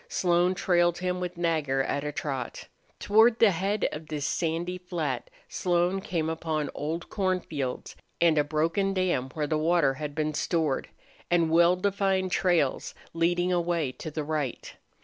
Slone trailed him with Nagger at a trot. Toward the head of this sandy flat Slone came upon old cornfields, and a broken dam where the water had been stored, and well defined trails leading away to the right.